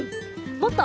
もっと。